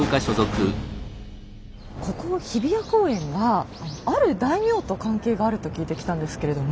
ここ日比谷公園がある大名と関係があると聞いて来たんですけれども。